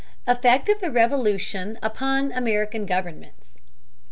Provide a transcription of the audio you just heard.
EFFECT OF THE REVOLUTION UPON AMERICAN GOVERNMENTS.